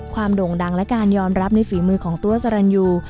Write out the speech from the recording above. โด่งดังและการยอมรับในฝีมือของตัวสรรยู